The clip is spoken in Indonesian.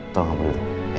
tolong kamu dulu